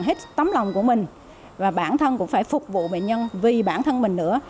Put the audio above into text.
hết tấm lòng của mình và bản thân cũng phải phục vụ bệnh nhân vì bản thân mình nữa